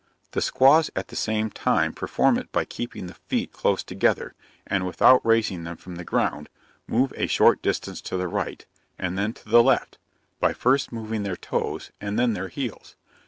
The squaws at the same time perform it by keeping the feet close together, and without raising them from the ground, move a short distance to the right, and then to the left, by first moving their toes and then their heels.